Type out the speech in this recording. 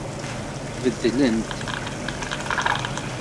Beddlent.